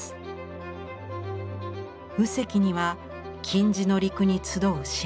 右隻には金地の陸に集う白鷺。